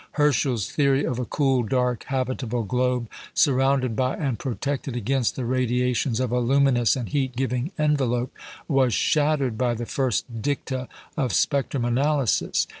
Herschel's theory of a cool, dark, habitable globe, surrounded by, and protected against, the radiations of a luminous and heat giving envelope, was shattered by the first dicta of spectrum analysis.